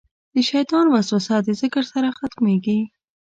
د شیطان وسوسه د ذکر سره ختمېږي.